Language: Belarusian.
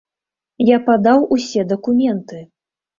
Я падаў усе дакументы.